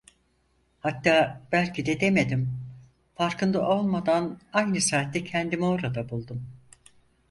Hatta belki de demedim, farkında olmadan aynı saatte kendimi orada buldum.